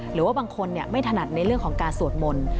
หรือว่าบางคนไม่ถนัดในเรื่องของการสวดมนต์